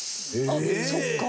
あっそっか！